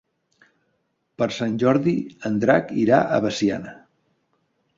Per Sant Jordi en Drac irà a Veciana.